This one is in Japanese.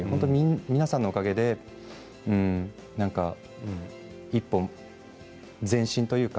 皆さんのおかげで一歩前進というか